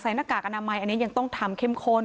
หน้ากากอนามัยอันนี้ยังต้องทำเข้มข้น